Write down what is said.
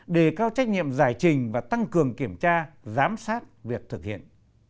đề cao trách nhiệm giải trình và tăng cường kiểm tra giám sát việc thực hiện